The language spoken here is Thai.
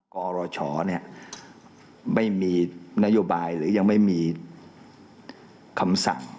กรชไม่มีนโยบายหรือยังไม่มีคำสั่ง